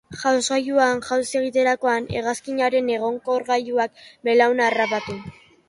Jausgailuan jauzi egiterakoan hegazkinaren egonkorgailuak belauna harrapatu.